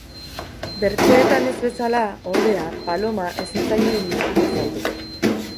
Bertzeetan ez bezala, ordea, Paloma ez zitzaion hiztun azaldu.